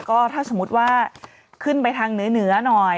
ก็ถ้าสมมุติว่าขึ้นไปทางเหนือหน่อย